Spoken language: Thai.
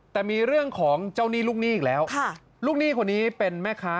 แต่มีเรื่องของเจ้าหนี้ลูกหนี้อีกแล้วลูกหนี้คนนี้เป็นแม่ค้า